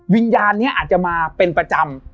วิญญาณนี้อาจจะมาเป็นประจำ